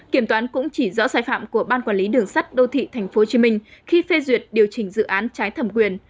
kiểm toán cũng chỉ rõ sai phạm của ban quản lý đường sắt đô thị tp hcm khi phê duyệt điều chỉnh dự án trái thẩm quyền